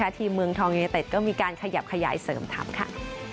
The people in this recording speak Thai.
ทีมเมืองทองยูเนเต็ดก็มีการขยับขยายเสริมทำค่ะ